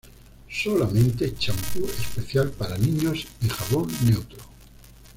Solamente champú especial para niños y jabón neutro.